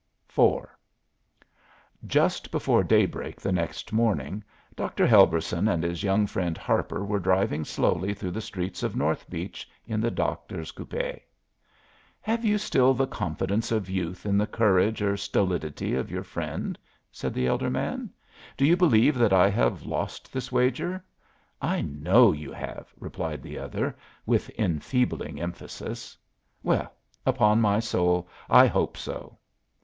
IV Just before daybreak the next morning Dr. Helberson and his young friend Harper were driving slowly through the streets of North Beach in the doctor's coupé. "Have you still the confidence of youth in the courage or stolidity of your friend?" said the elder man. "Do you believe that I have lost this wager?" "I know you have," replied the other, with enfeebling emphasis. "Well, upon my soul, I hope so."